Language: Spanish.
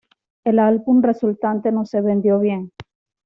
El álbum resultante no se vendió bien.